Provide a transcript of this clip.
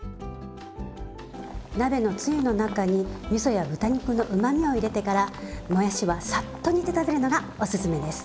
鍋のつゆの中にみそや豚肉のうまみを入れてからもやしはサッと煮て食べるのがおすすめです。